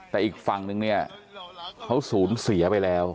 แต่อีกฝั่งนึงเนี่ยเขาสูญเสียไปแล้ว